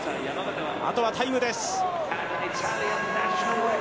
あとはタイムです。